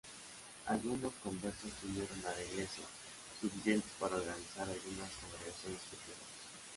Algunos conversos se unieron a la iglesia, suficientes para organizar algunas congregaciones pequeñas.